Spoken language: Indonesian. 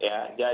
kita akan lihat